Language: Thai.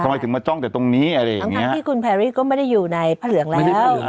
ทำไมถึงมาจ้องแต่ตรงนี้อะไรทั้งที่คุณแพรรี่ก็ไม่ได้อยู่ในพระเหลืองแล้ว